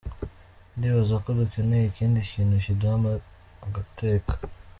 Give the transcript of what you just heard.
Ndibaza ko dukeneye ikindi kintu kiduha agateka.